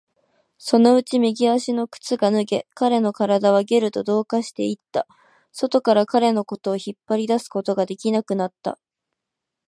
そのうちに右足の靴が脱げ、彼の体はゲルと同化していった。外から彼のことを引っ張り出すことができなくなった。